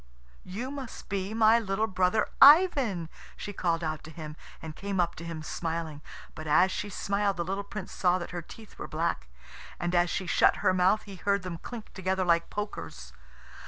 "You must be my little brother Ivan," she called out to him, and came up to him smiling. But as she smiled the little Prince saw that her teeth were black; and as she shut her mouth he heard them clink together like pokers.